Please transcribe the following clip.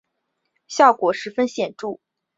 效果十分显著